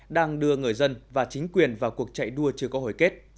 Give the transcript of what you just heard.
đang đưa người dân và chính quyền vào cuộc chạy đua chưa có hồi kết